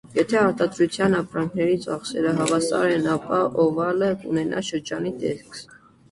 Եթե արտադրության ապրանքների ծախսերը հավասար են, ապա օվալը կունենա շրջանի տեսք։